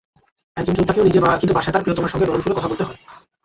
একজন যোদ্ধাকেও কিন্তু বাসায় তাঁর প্রিয়তমার সঙ্গে নরম সুরে কথা বলতে হয়।